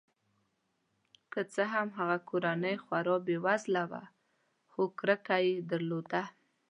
که څه هم هغه کورنۍ خورا بې وزله وه خو کرکه یې درلوده.